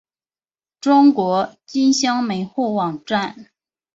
中国金乡门户网站